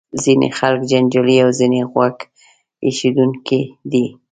ځینې خلک جنجالي او ځینې غوږ ایښودونکي دي.